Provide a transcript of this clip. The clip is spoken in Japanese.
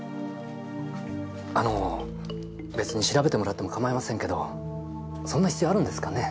あの別に調べてもらっても構いませんけどそんな必要あるんですかね？